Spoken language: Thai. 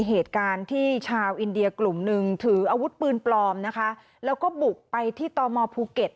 เหตุการณ์ที่ชาวอินเดียกลุ่มหนึ่งถืออาวุธปืนปลอมนะคะแล้วก็บุกไปที่ตมภูเก็ต